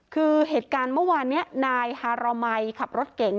คือเหตุการณ์เมื่อวานนี้นายฮารมัยขับรถเก่ง